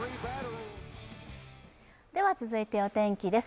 では続いてお天気です。